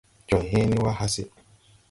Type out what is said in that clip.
Jɔŋ hẽẽne wà hase.